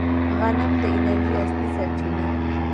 غنم د انرژۍ اصلي سرچینه ده.